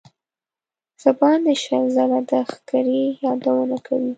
څه باندې شل ځله د سُبکري یادونه کوي.